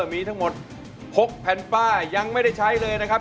มีทั้งหมด๖แผ่นป้ายยังไม่ได้ใช้เลยนะครับ